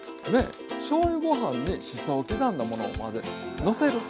しょうゆご飯にしそを刻んだものをのせる。